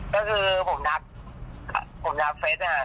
ก็คือผมนับเฟซให้หาเขา